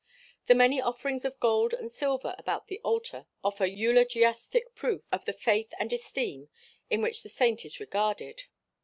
The many offerings of gold and silver about the altar offer eulogiastic proof of the faith and esteem in which the saint is regarded.